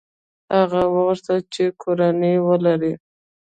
هغه وغوښتل چې کورنۍ ولري.